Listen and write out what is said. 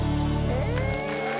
え⁉